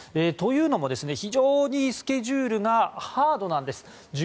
というのも非常にスケジュールがハードなんです。